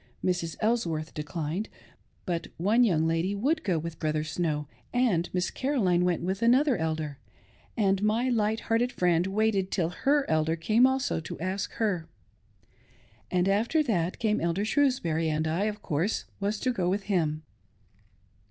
Mrs. Elsworth declined; but one young lady would go with Brother Snow, and Miss Caroline went with another Elder ; and my light hearted friend waited till Aey Elder came also to ask &er. After that, came Elder Shrews bury, and I, of course, was to go with him.